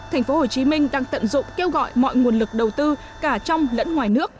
thành phố hồ chí minh đang tận dụng kêu gọi mọi nguồn lực đầu tư cả trong lẫn ngoài nước